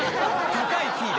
高いキーで。